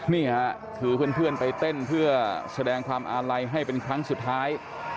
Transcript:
นี่ค่ะคือเพื่อนไปเต้นเพื่อแสดงความอาลัยให้เป็นครั้งสุดท้าย